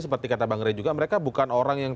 seperti kata bang rey juga mereka bukan orang yang